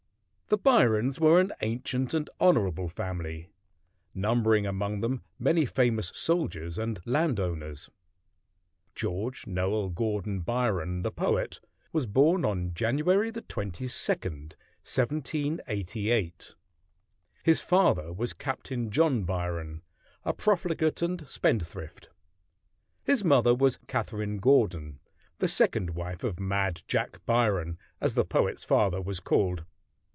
The Byrons were an ancient and honorable family, numbering among them many famous soldiers and landowners. George Noel Gordon Byron, the poet, was born on January 22, 1788. His father was Captain John Byron, a profligate and spendthrift. His mother was Catherine Gordon, the second wife of "Mad Jack Byron," as the poet's father was called.